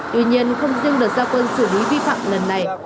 tuy nhiên không riêng được giao cơn xử lý vi phạm lần này